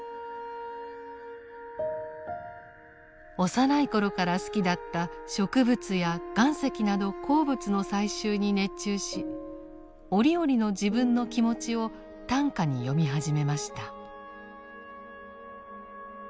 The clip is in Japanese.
幼い頃から好きだった植物や岩石など鉱物の採集に熱中し折々の自分の気持ちを短歌に詠み始めました。